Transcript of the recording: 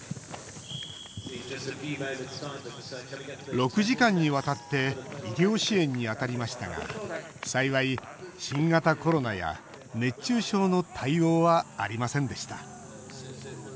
６時間にわたって医療支援に当たりましたが幸い、新型コロナや熱中症の対応はありませんでした。